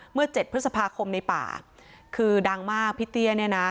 เมื่อเจ็ดพฤษภาคมในป่าคือดังมากพี่เตี้ยเนี่ยนะ